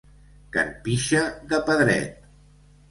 Can Pixa de Pedret.